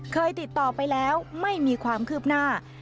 เคยติดต่อไปแล้วไม่มีความคืบหน้า